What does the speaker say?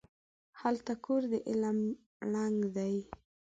هلته کور د علم ړنګ دی